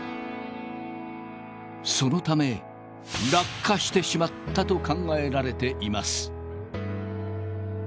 そのため落下してしまったと考えられています。